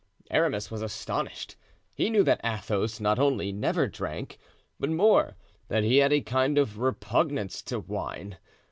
Aramis was astonished. He knew that Athos not only never drank, but more, that he had a kind of repugnance to wine.